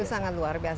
itu sangat luar biasa